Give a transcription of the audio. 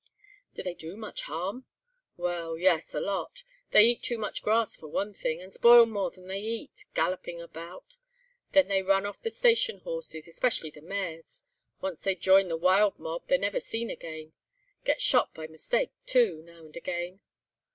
"Do they do much harm?" "Well, yes, a lot. They eat too much grass for one thing, and spoil more than they eat, galloping about. Then they run off the station horses, especially the mares. Once they join the wild mob, they're never seen again. Get shot by mistake, too, now and again."